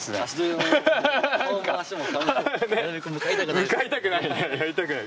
「向かいたくない」